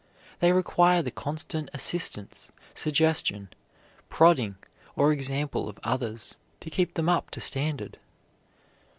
They require the constant assistance, suggestion, prodding, or example of others to keep them up to standard.